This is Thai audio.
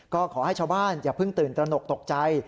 ก็ขอให้ชาวบ้านอย่าเพิ่งตื่นตระหนกตกใจ